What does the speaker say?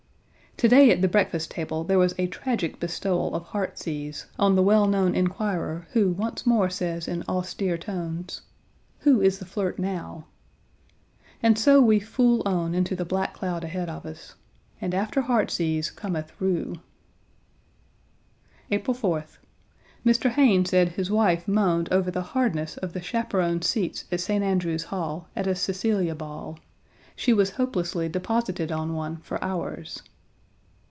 To day at the breakfast table there was a tragic bestowal of heartsease on the well known inquirer who, once more says in austere tones: "Who is the flirt now?" And so we fool on into the black cloud ahead of us. And after heartsease cometh rue. April 4th. Mr. Hayne said his wife moaned over the hardness of the chaperones' seats at St. Andrew's Hall at a Cecilia Ball. 1 She was hopelessly deposited on one for hours.